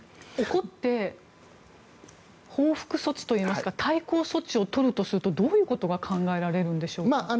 怒って報復措置といいますか対抗措置を取るとするとどういうことが考えられるんでしょうか？